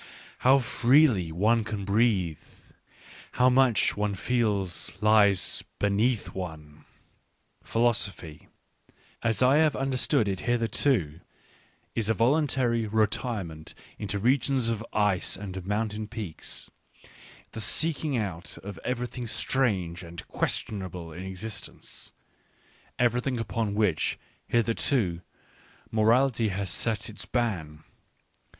how freely one can breathe ! how much, one feels, lies beneath one! j Philosophy, as I have under s tood it hitherto, is_a_yoluntary retirement into regions of ice_and_ mountain peaks^—the seeking out of everything strange and questionable in existencefe v ery thing upon which, hit herto , morality Has set its ban.